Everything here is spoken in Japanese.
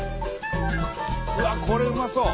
うわっこれうまそう！